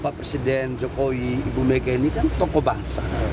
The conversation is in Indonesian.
pak presiden jokowi dan ibu megawati ini kan tokoh bahasa